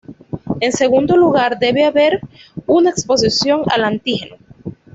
En segundo lugar, debe haber una exposición al antígeno.